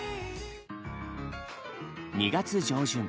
２月上旬。